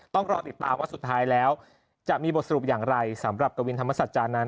ต้องรอติดตามว่าสุดท้ายแล้วจะมีบทสรุปอย่างไรสำหรับกวินธรรมสัจจานั้น